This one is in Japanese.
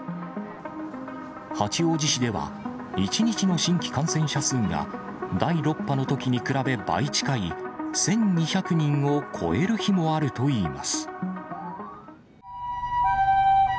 八王子市では、１日の新規感染者数が、第６波のときに比べ、倍近い１２００人を超える日もあるといいます。